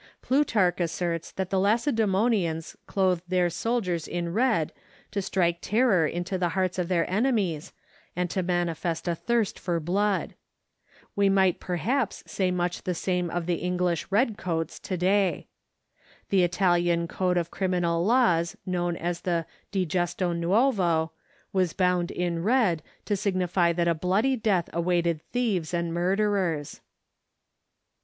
Plutarch asserts that the Lacedemonians clothed their soldiers in red to strike terror into the hearts of their enemies and to manifest a thirst for blood. We might perhaps say much the same of the English "red coats" to day. The Italian code of criminal laws known as the "Digesto Nuovo" was bound in red, to signify that a bloody death awaited thieves and murderers.